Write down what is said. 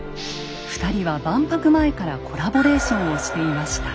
２人は万博前からコラボレーションをしていました。